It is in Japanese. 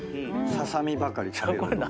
ササミばかり食べる男。